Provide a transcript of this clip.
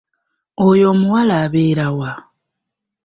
Oyo omuwala abeera wa?